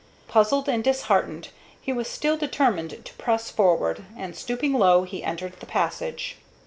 Puzzled and disheartened, he was still determined to press forward, and, stooping low, he entered the passage.